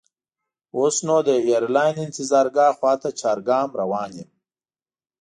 اوس نو د ایرلاین انتظارګاه خواته چارګام روان یم.